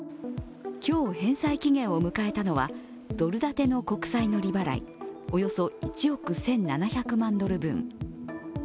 今日、返済期限を迎えたのはドル建ての国債の利払い、およそ１億１７００万ドル分。